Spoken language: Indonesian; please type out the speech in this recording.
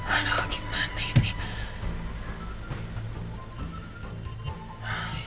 aduh gimana ini